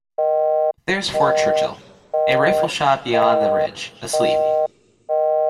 There's Fort Churchill, a rifle-shot beyond the ridge, asleep.